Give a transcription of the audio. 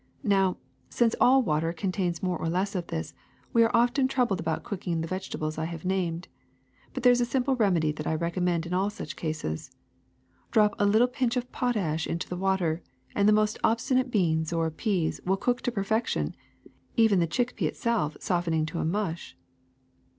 Now, since all water contains more or less of this, we are often troubled about cooking the vegetables I have named. But there is a simple remedy that I recommend in all such cases: drop a little pinch of potash into the water, and the most obstinate beans or peas will cook to perfection, even the chick pea itself soften ing to a mush.